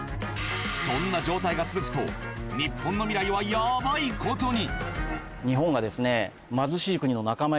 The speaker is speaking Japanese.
そんな状態が続くと日本の未来はヤバいことに。